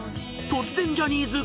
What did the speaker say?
突然ジャニーズ！